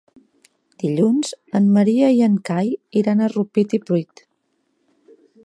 Dilluns en Maria i en Cai iran a Rupit i Pruit.